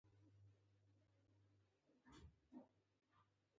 د ډیزاین سرعت د سرک د هندسي اجزاوو په ټاکلو کې مرسته کوي